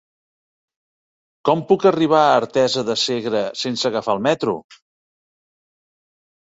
Com puc arribar a Artesa de Segre sense agafar el metro?